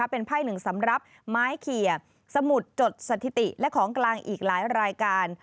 เป็นไพ่หนึ่งสำหรับไม้เขียสมุดจดสถิติและของกลางอีกหลายรายการ